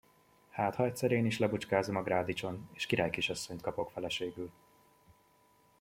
Hátha egyszer én is lebucskázom a grádicson, és királykisasszonyt kapok feleségül!